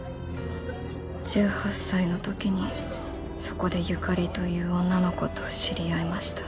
１８歳の時にそこで由香里という女の子と知り合いました。